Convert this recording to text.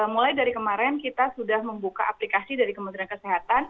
mulai dari kemarin kita sudah membuka aplikasi dari kementerian kesehatan